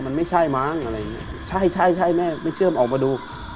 มันไม่ใช่มั้งอะไรอย่างเงี้ยใช่ใช่แม่ไม่เชื่อมออกมาดู